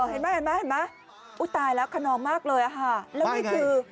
เออเห็นไหมอุ๊ยตายแล้วคนน้องมากเลยค่ะแล้วนี่คือ